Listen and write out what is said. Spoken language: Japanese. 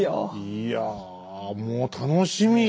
いやもう楽しみ！